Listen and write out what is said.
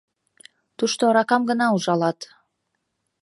— Тушто аракам гына ужалат.